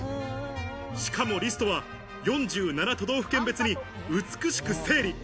しかもリストは４７都道府県別に美しく整理。